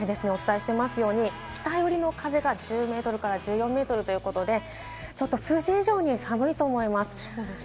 北よりの風が１０メートルから１４メートルということで数字以上に寒いと思います。